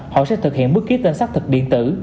họ sẽ thực hiện bước ký tên sát thực điện tử